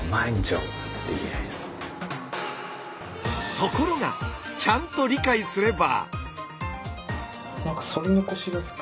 ところがちゃんと理解すれば。